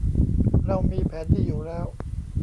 เรามีแผนดีอยู่แล้ว